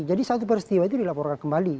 jadi satu peristiwa itu dilaporkan kembali